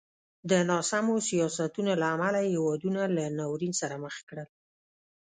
د ناسمو سیاستونو له امله یې هېوادونه له ناورین سره مخ کړل.